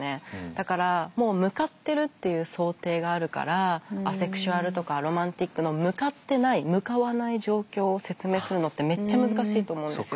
だからもう向かってるっていう想定があるからアセクシュアルとかアロマンティックの向かってない向かわない状況を説明するのってめっちゃ難しいと思うんですよ。